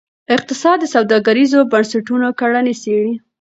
اقتصاد د سوداګریزو بنسټونو کړنې څیړي.